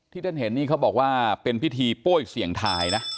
ท่านเห็นนี่เขาบอกว่าเป็นพิธีโป้ยเสี่ยงทายนะ